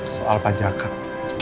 soal pajak kak